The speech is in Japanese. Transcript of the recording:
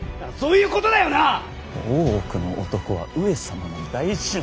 大奥の男は上様の大事な。